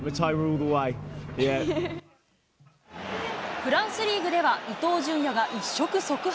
フランスリーグでは、伊東純也が一触即発。